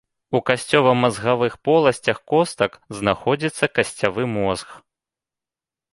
У касцёвамазгавых поласцях костак знаходзіцца касцявы мозг.